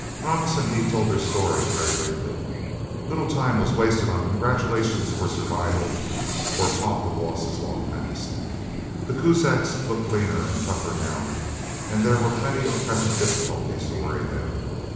Ramos and he told their story very briefly. Little time was wasted on congratulations for survival or talk of losses long past. The Kuzaks looked leaner and tougher, now, and there were plenty of present difficulties to worry them.